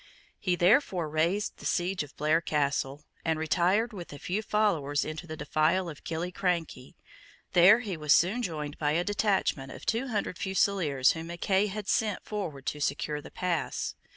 He therefore raised the siege of Blair Castle, and retired with a few followers into the defile of Killiecrankie. There he was soon joined by a detachment of two hundred fusileers whom Mackay had sent forward to secure the pass.